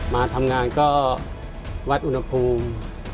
มาทำงานก็วัดอุณหภูมิ